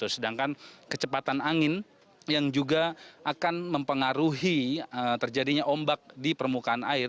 sedangkan kecepatan angin yang juga akan mempengaruhi terjadinya ombak di permukaan air